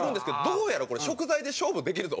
「どうやらこれ食材で勝負できるぞ？」